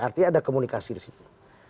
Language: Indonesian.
artinya ada komunikasi di situ